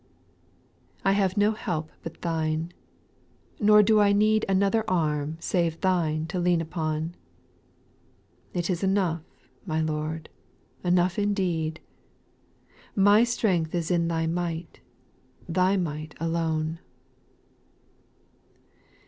3. I have no help but Thine ; nor do I need Another arm save Thine to lean upon ; It is enough, my Lord, enough indeed ; My strength is in Thy might, Thy might alone.